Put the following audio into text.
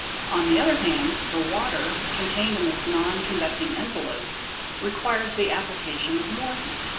On the other hand the water, contained in this non conducting envelope, requires the application of more heat.